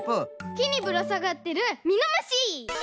きにぶらさがってるミノムシ！